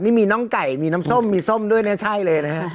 นี่มีน้องไก่มีน้ำส้มมีส้มด้วยเนี่ยใช่เลยนะฮะ